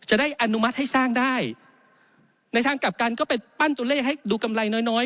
จะได้อนุมัติให้สร้างได้ในทางกลับกันก็ไปปั้นตัวเลขให้ดูกำไรน้อยน้อย